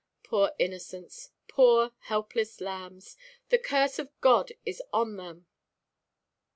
Poor innocents, poor helpless lambs! The curse of God is on them."